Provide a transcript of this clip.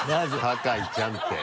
酒井ちゃんって。